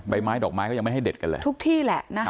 ใบไม้ดอกไม้ก็ยังไม่ให้เด็ดกันเลยทุกที่แหละนะคะ